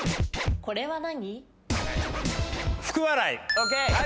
これは何？